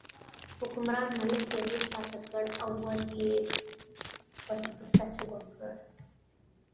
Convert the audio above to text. حکمران ملک یوې خوا ته کړ او ور یې پسپسي وکړل.